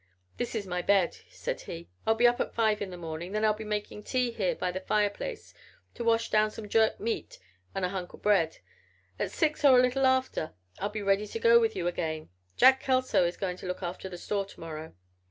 "This is my bed," said he. "I'll be up at five in the morning. Then I'll be making tea here by the fireplace to wash down some jerked meat and a hunk o' bread. At six or a little after I'll be ready to go with you again. Jack Kelso is going to look after the store to morrow."